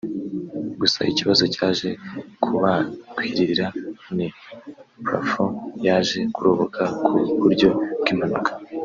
gusa ikibazo cyaje kubagwirira ni plafon yaje kuroboka ku buryo bw’impanuka